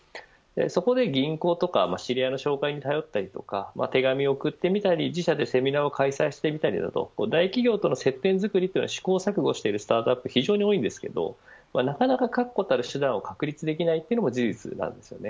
そこで銀行とか知り合いの紹介に頼ったりとか手紙を送ってみたり自社で説明セミナーを開催してみたり大企業との接点づくりは試行錯誤しているスタートアップ企業は多いですけどなかなか確固たる手段がないのも事実なんですよね。